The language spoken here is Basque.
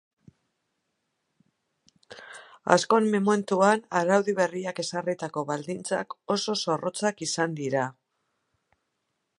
Azken momentuan araudi berriak ezarritako baldintzak oso zorrotzak izan dira.